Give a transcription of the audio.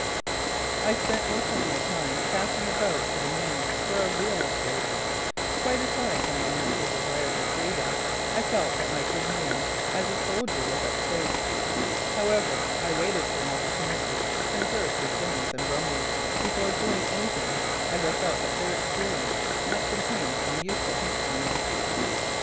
I spent most of my time casting about for the means for a real escape. Quite aside from my natural desire for freedom I felt that my good name as a soldier was at stake. However, I waited for an opportunity to converse with Simmons and Brumley before doing anything as I felt that their experience might contain some useful hints for me.